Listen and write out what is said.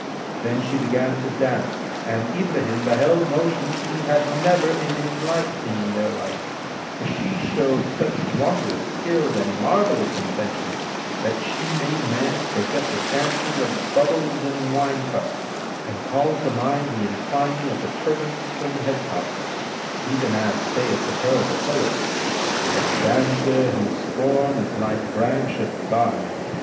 Then she began to dance, and Ibrahim beheld motions he had never in his life seen their like, for she showed such wondrous skill and marvellous invention, that she made men forget the dancing of bubbles in wine cups and called to mind the inclining of the turbands from head[FN#326] tops: even as saith of her the poet[FN#327], "A dancer whose form is like branch of Ban!